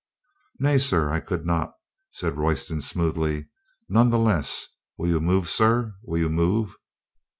"Nay, sir, I could not," said Royston smoothly. "None the less, will you move, sir? Will you move?"